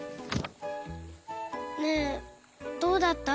ねえどうだった？